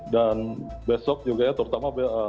dan besok juga ya terutama eee